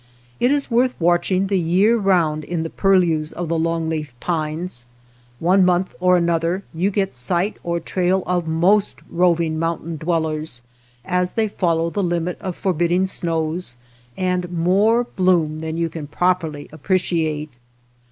It is worth watching the year round in the purlieus of the long leafed pines. One month or another you get sight or trail of most roving mountain dwellers as they fol low the limit of forbidding snows, and more bloom than you can properly appreciate.